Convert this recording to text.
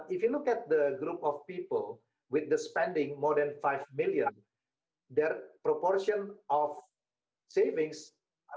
orang orang mencoba untuk menghindari perjalanan